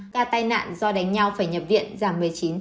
ca tai nạn do đánh nhau phải nhập viện giảm một mươi chín